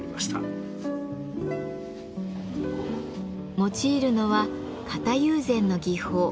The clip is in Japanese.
用いるのは型友禅の技法。